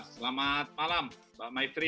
selamat malam mbak mayfree